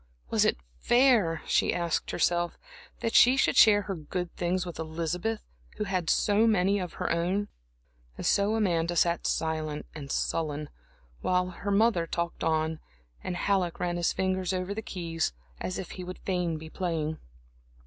Was it fair, she asked herself, that she should share her good things with Elizabeth, who had so many of her own? And so Amanda sat silent and sullen, while her mother talked on, and Halleck ran his fingers over the keys, as if he would fain be playing.